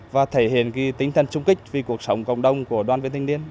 và thể hiện tính thân xung kích vì cuộc sống cộng đồng của đoàn viên thanh niên